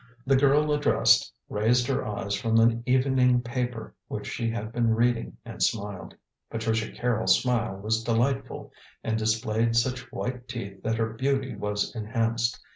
The girl addressed raised her eyes from the evening paper which she had been reading and smiled. Patricia Carrol's smile was delightful, and displayed such white teeth that her beauty was enhanced.